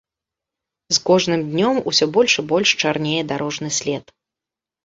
З кожным днём усё больш і больш чарнее дарожны след.